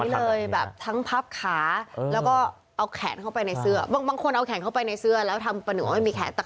เลยแบบทั้งพับขาแล้วก็เอาแขนเข้าไปในเสื้อบางคนเอาแขนเข้าไปในเสื้อแล้วทำประหนึ่งว่าไม่มีแขนตัด